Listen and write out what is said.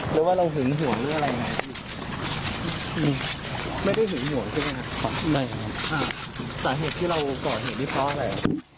สาเหตุที่เราก่อนเหตุนี้เพราะอะไร